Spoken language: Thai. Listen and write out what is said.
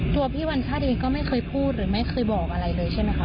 พี่วัญชาติเองก็ไม่เคยพูดหรือไม่เคยบอกอะไรเลยใช่ไหมคะ